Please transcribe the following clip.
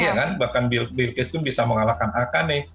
iya kan bahkan bilkis bisa mengalahkan akane